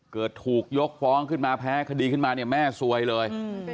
เกิดถูกยกฟ้องขึ้นมาแพ้คดีขึ้นมาเนี่ยแม่ซวยเลย